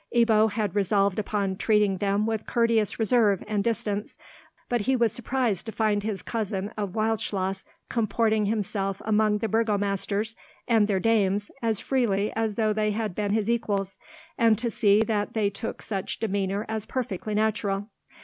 Ebbo had resolved upon treating them with courteous reserve and distance; but he was surprised to find his cousin of Wildschloss comporting himself among the burgomasters and their dames as freely as though they had been his equals, and to see that they took such demeanour as perfectly natural.